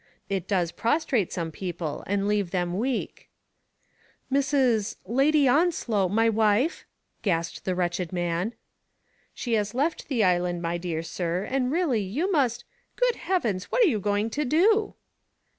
It does prostrate some peo pie, and leave them weak/' "Mrs. — Lady Onslow — my wife?" gasped the wretched man. '*She has left the island, my dear sir, and really you must Good Heavens! what are you going to do?"